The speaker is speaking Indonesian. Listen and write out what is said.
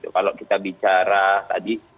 kalau kita bicara tadi